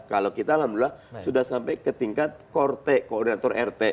kalau kita alhamdulillah sudah sampai ke tingkat koordinator rt